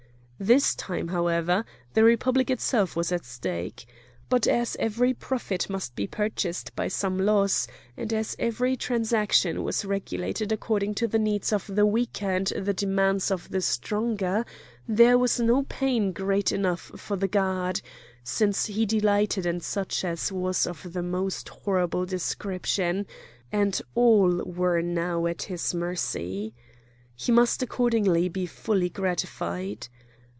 This time, however, the Republic itself was at stake. But as every profit must be purchased by some loss, and as every transaction was regulated according to the needs of the weaker and the demands of the stronger, there was no pain great enough for the god, since he delighted in such as was of the most horrible description, and all were now at his mercy. He must accordingly be fully gratified.